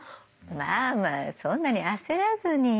まあまあそんなに焦らずに。